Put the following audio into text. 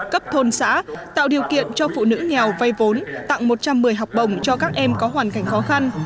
cấp thôn xã tạo điều kiện cho phụ nữ nghèo vay vốn tặng một trăm một mươi học bổng cho các em có hoàn cảnh khó khăn